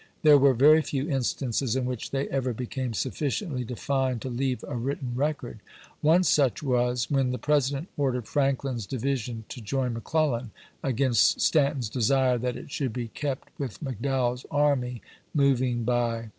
There were very few instances in which they ever became sufficiently defined to leave a wiltten record. One such was when the President ordered Franklin's division to join McClellan, against Stanton's desire that it should l»e kept with McDowell's army moving by Lincoln to Stanton, March 18, 18C4.